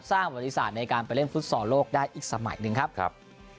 สร้างบริษัทในการไปเล่นฟุตซอร์โลกได้อีกสมัยหนึ่งครับ